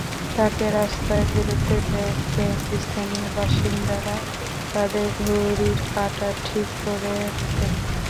তাঁকে রাস্তায় বেরোতে দেখে স্থানীয় বাসিন্দারা তাঁদের ঘড়ির কাঁটা ঠিক করে নিতেন।